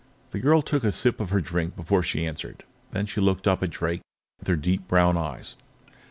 The girl took a sip of her drink before she answered. Then she looked up at Drake with her deep brown eyes.